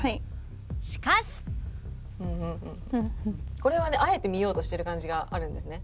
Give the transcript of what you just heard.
これはねあえて見ようとしてる感じがあるんですね。